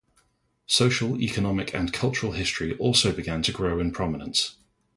Social, economic, and cultural history also began to grow in prominence.